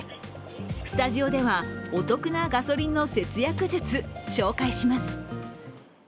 スタジオではお得なガソリンの節約術、紹介します。